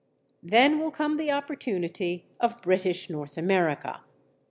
Then will come the opportunity of British North America.